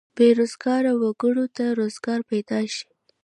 بې روزګاره وګړو ته روزګار پیدا شي.